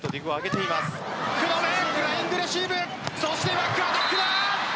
バックアタックだ。